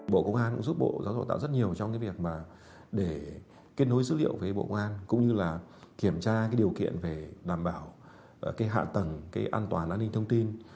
bộ công an giúp bộ giáo dục và đào tạo rất nhiều trong việc kết nối dữ liệu với bộ công an cũng như kiểm tra điều kiện đảm bảo hạ tầng an toàn an ninh thông tin